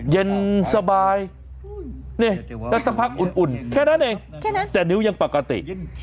เย็นสบายนี่ก็สักพักอุ่นแค่นั้นเองแค่นั้นแต่นิ้วยังปกติ